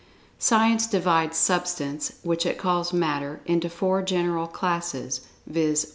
Science divides Substance (which it calls "Matter") into four general classes, viz.